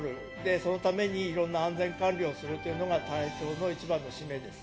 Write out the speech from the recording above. そのために色んな安全管理をするというのが隊長の一番の使命です。